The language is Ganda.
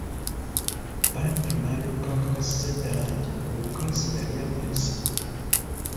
Badru n'alyoka akakasiza ddala nti oukazi yali amulese..